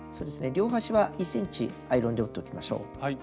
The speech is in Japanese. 両端は１ｃｍアイロンで折っておきましょう。